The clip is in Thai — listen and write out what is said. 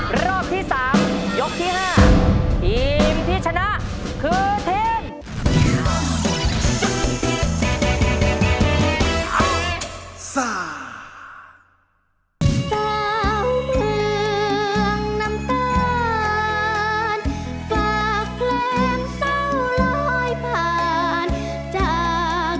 รอบที่สามยกที่ห้า